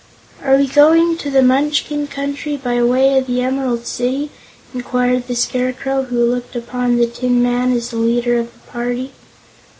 "Are we going to the Munchkin Country by way of the Emerald City?" inquired the Scarecrow, who looked upon the Tin Woodman as the leader of the party.